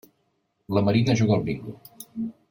La Marina juga al bingo.